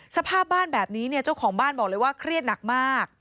สภาพบ้านแบบนี้เนี่ยเจ้าของบ้านบอกเลยว่าเครียดหนักมาก